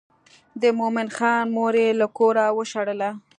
د مومن خان مور یې له کوره وشړله.